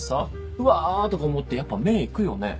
うわとか思ってやっぱ目いくよね。